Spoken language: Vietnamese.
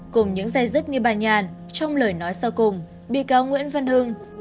cùng những dây dứt như bà nhàn trong lời nói sau cùng bị cáo nguyễn văn hưng